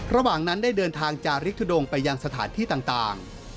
ระหว่างนั้นได้เดินทางจาริกทุดงไปยังสถานที่ต่าง